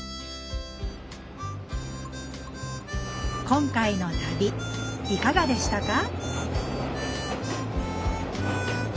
今回の旅いかがでしたか？